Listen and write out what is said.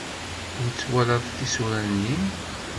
Ur twalaḍ tisura-inu?